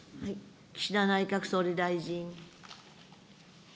岸田内閣総理大臣。